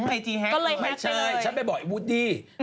ไอจีแฮ็กก็เลยไม่ใช่ฉันไปบอกไอ้วูดดี้